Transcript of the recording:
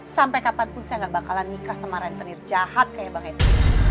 sampai kapanpun saya gak bakalan nikah sama rentenir jahat kayak bang henry